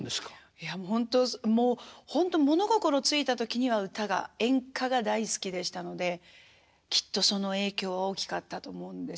いやもうほんともうほんと物心付いた時には歌が演歌が大好きでしたのできっとその影響は大きかったと思うんです。